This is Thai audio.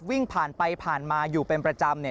วิ่งผ่านไปผ่านมาอยู่เป็นประจำเนี่ย